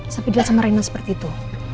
tapi dia sama rena seperti itu